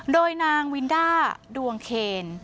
โดยนางวินด้าดวงเคน